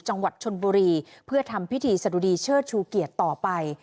จังหวัดชนบุรีเพื่อทำพิธีสะดุดีเชิดชูเกียรติต่อไป